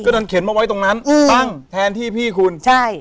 ก็กำลังเขนมาไว้ตรงนั้นฟังแทนที่พี่คุณใช่